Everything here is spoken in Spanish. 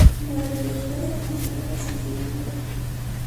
Neurobiología de la emoción y los sentimientos.